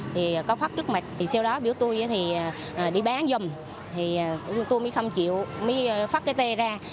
thì có phát trước mặt thì sau đó biểu tôi thì đi bán giùm thì tôi mới không chịu mới phát cái tê ra